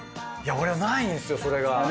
いや俺ないんですよそれが。